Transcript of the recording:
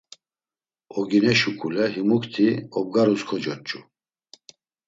Ogine şuǩule himukti obgarus kocoç̌u.